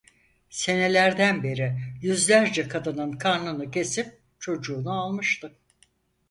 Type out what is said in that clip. Senelerden beri yüzlerce kadının karnını kesip çocuğunu almıştı.